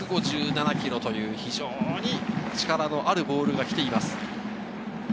１５７キロという非常に力のあるボールが来ています。